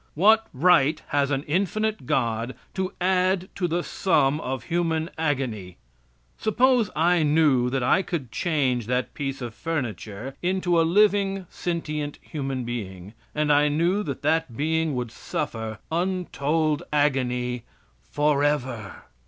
What right has an infinite God to add to the sum of human agony? Suppose I knew that I could change that piece of furniture into a living, sentient human being, and I knew that that being would suffer untold agony forever.